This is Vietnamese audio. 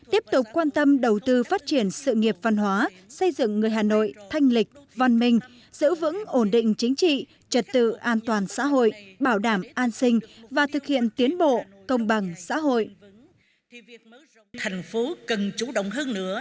tiếp tục quan tâm đầu tư phát triển sự nghiệp văn hóa xây dựng người hà nội thanh lịch văn minh giữ vững ổn định chính trị trật tự an toàn xã hội bảo đảm an sinh và thực hiện tiến bộ công bằng xã hội